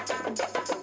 bau nya asem